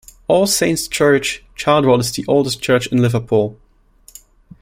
All Saints' Church, Childwall is the oldest church in Liverpool.